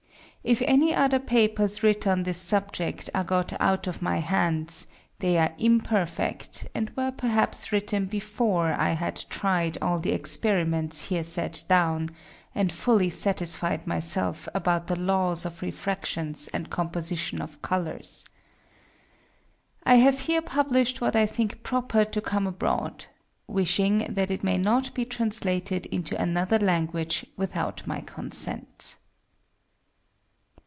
If any other Papers writ on this Subject are got out of my Hands they are imperfect, and were perhaps written before I had tried all the Experiments here set down, and fully satisfied my self about the Laws of Refractions and Composition of Colours. I have here publish'd what I think proper to come abroad, wishing that it may not be translated into another Language without my Consent.